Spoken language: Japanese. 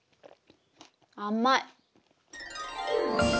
甘い。